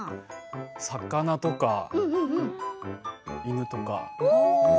魚とか、犬とか。